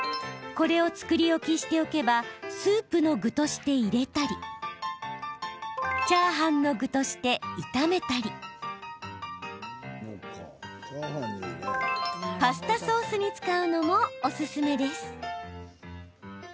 これを作り置きしておけばスープの具として入れたりチャーハンの具として炒めたりパスタソースに使うのもおすすめです。